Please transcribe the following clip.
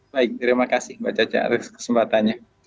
baik terima kasih mbak caca atas kesempatannya